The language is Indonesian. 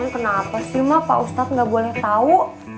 kenapa sih mak pak ustadz gak boleh tahu